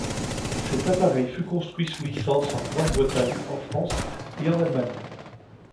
Cet appareil fut construit sous licence en Grande-Bretagne, en France et en Allemagne.